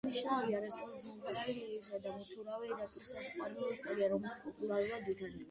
აღსანიშნავია რესტორნის მომღერალი ლილისა და მოცურავე ირაკლის სასიყვარულო ისტორია, რომელიც პარალელურად ვითარდება.